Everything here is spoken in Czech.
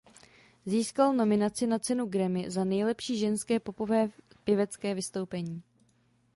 Získal nominaci na cenu Grammy za Nejlepší ženské popové pěvecké vystoupení.